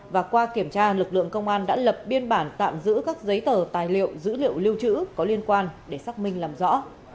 và qua kiểm tra lực lượng công an đã lập biên bản tạm giữ các giấy tờ tài liệu dữ liệu lưu trữ có liên quan để xác minh làm rõ